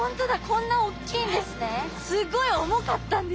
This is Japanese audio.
こんなおっきいんですね。